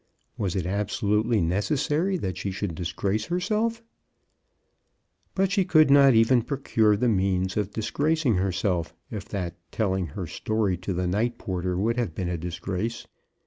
Was it abso lutely necessary that she should disgrace her self ? But she could not even procure the means of disgracing herself, if that telling her story to the night porter would have been a disgrace.